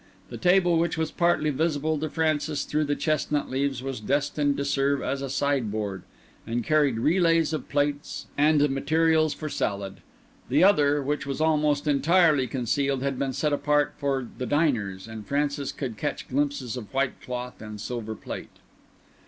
That table which was partly visible to Francis through the chestnut leaves was destined to serve as a sideboard, and carried relays of plates and the materials for salad: the other, which was almost entirely concealed, had been set apart for the diners, and Francis could catch glimpses of white cloth and silver plate.